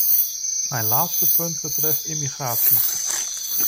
Mijn laatste punt betreft immigratie.